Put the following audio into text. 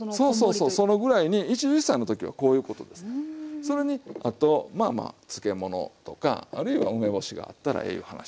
それにあとまあまあ漬物とかあるいは梅干しがあったらええいう話でしょ。